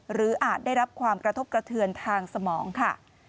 อาจได้รับความกระทบกระเทือนทางสมองค่ะ